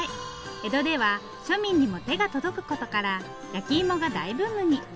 江戸では庶民にも手が届くことから焼きいもが大ブームに。